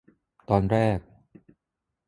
ตอนแรก